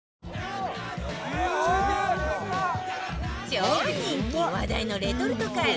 超人気話題のレトルトカレー